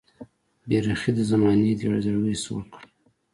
بې رخۍ د زمانې دې زړګی سوړ کړ